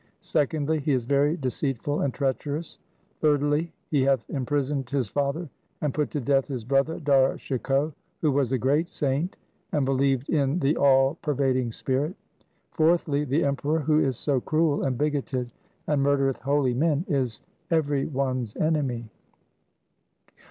Secondly, he is very de ceitful and treacherous. Thirdly, he hath imprisoned his father and put to death his brother Dara Shikoh, who was a great saint, and believed in the All per vading Spirit. Fourthly, the Emperor, who is so cruel and bigoted and murdereth holy men, is every one's enemy.'